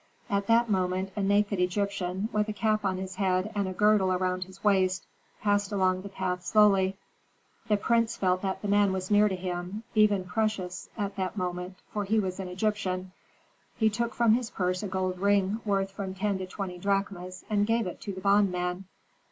At that moment a naked Egyptian, with a cap on his head and a girdle around his waist, passed along the path slowly. The prince felt that the man was near to him, even precious at that moment, for he was an Egyptian. He took from his purse a gold ring worth from ten to twenty drachmas, and gave it to the bondman.